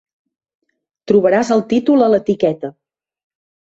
Trobaràs el títol a l'etiqueta.